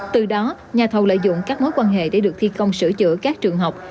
từ đó nhà thầu lợi dụng các mối quan hệ để được thi công sửa chữa các trường học